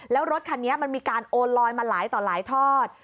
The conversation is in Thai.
แล้วรถคันนี้มันมีการโอนลอยมาหลายต่อหลายทอด